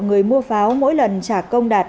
người mua pháo mỗi lần trả công đạt